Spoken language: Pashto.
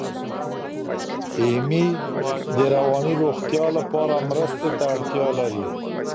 ایمي د رواني روغتیا لپاره مرستې ته اړتیا لري.